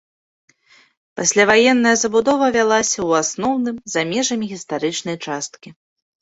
Пасляваенная забудова вялася ў асноўным за межамі гістарычнай часткі.